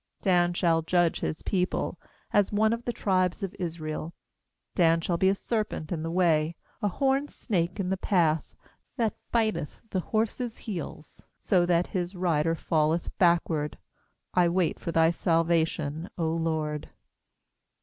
16Dan shall judge his people, As one of the tribes of Israel. 17Dan shall be a serpent in the way, A horned snake in the path, That biteth the horse's heels, So* that his rider falleth backward. 18I wait for Thy salvation, 0 Lord.